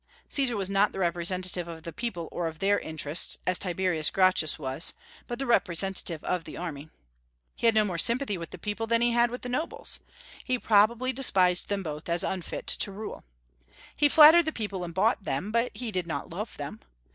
Caesar was not the representative of the people or of their interests, as Tiberius Gracchus was, but the representative of the Army. He had no more sympathy with the people than he had with the nobles: he probably despised them both, as unfit to rule. He flattered the people and bought them, but he did not love them.